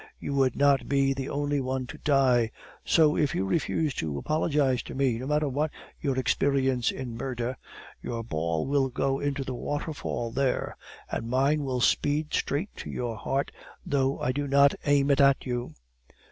You would not be the only one to die. So if you refuse to apologize to me, not matter what your experience in murder, your ball will go into the waterfall there, and mine will speed straight to your heart though I do not aim it at you."